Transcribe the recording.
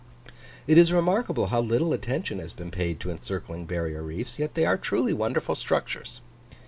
It is remarkable how little attention has been paid to encircling barrier reefs; yet they are truly wonderful structures.